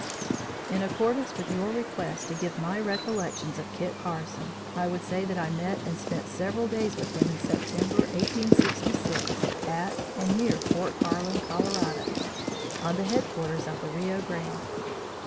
"In accordance with your request to give my recollections of Kit Carson, I would say that I met and spent several days with him in September, 1866, at and near Fort Garland, Colorado, on the headwaters of the Rio Grande.